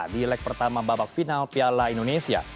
di leg pertama babak final piala indonesia